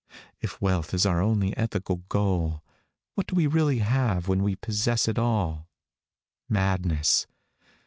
If wealth is our only ethical goal, what do we really have when we possess it all? Madness.